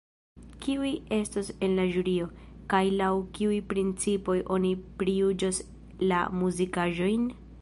Kiuj estos en la ĵurio, kaj laŭ kiuj principoj oni prijuĝos la muzikaĵojn?